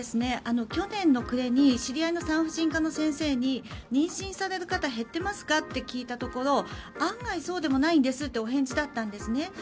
去年の暮れに知り合いの産婦人科の先生に妊娠される方減ってますか？と聞いたところ案外そうでもないんですってお返事だったんですね。